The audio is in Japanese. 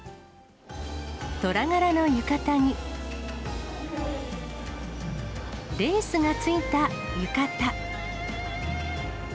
虎柄の浴衣に、レースがついた浴衣。